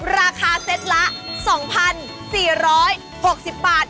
ราคาเซตละ๒๔๖๐บาท